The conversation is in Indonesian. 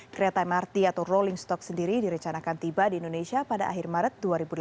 kereta mrt atau rolling stock sendiri direncanakan tiba di indonesia pada akhir maret dua ribu delapan belas